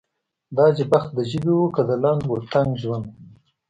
دا چې بخت د ژبې و که د لنډ و تنګ ژوند.